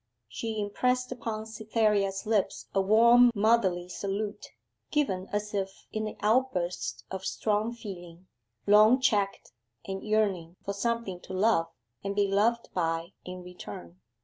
She impressed upon Cytherea's lips a warm motherly salute, given as if in the outburst of strong feeling, long checked, and yearning for something to love and be loved by in return.